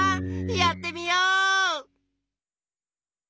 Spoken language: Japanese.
やってみよう！